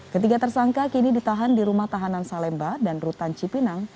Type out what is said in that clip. ketiga tersangka kini ditahan di rumah tahanan salemba dan rutan cipinang